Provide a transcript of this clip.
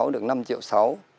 năm sáu được năm triệu sáu